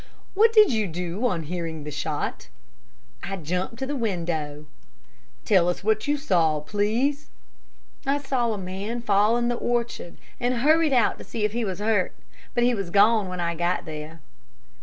"What did you do on hearing the shot?" "I jumped to the window." "Tell what you saw, please." "I saw a man fall in the orchard, and hurried out to see if he was hurt. But he was gone when I got there."